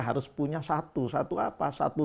harus punya satu satu apa satu